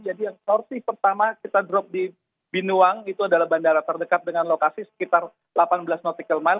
jadi yang sorti pertama kita drop di binuang itu adalah bandara terdekat dengan lokasi sekitar delapan belas nautical mile